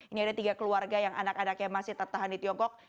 ini ada tiga keluarga yang anak anaknya masih tertahan di tiongkok